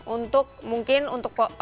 untuk mungkin untuk